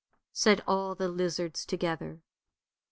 said all the lizards together.